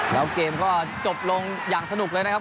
แล้วเกมก็จบลงอย่างสนุกเลยนะครับ